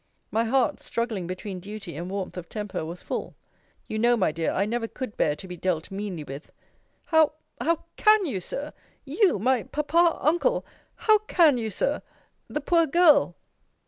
My heart, struggling between duty and warmth of temper, was full. You know, my dear, I never could bear to be dealt meanly with! How how can you, Sir! you my Papa uncle How can you, Sir! The poor girl!